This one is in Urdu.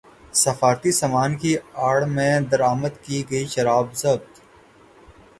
سفارتی سامان کی اڑ میں درامد کی گئی شراب ضبط